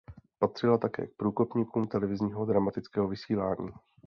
Patřila také k průkopníkům televizního dramatického vysílání.